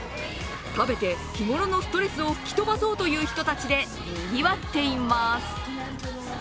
食べて日頃のストレスを吹き飛ばそうという人たちでにぎわっています。